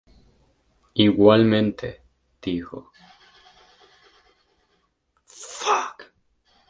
Igualmente, dijo,